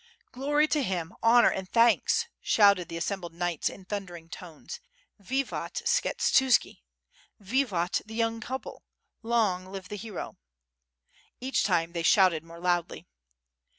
"Glory to him! honor and thanks!" shouted the assembled knights in thundering tones. ''Vivat Sksehtuski! Vivat the young couple! long live the hero!" Each time thoy shouted more loudly.